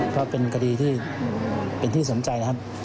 เพราะเป็นคดีที่เป็นที่สนใจนะครับ